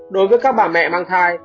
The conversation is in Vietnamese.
đối với các bà mẹ mang thai